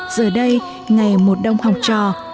giờ đây ngày một đông học trò